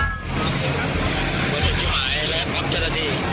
รถแก๊สฝ้าบุญครับ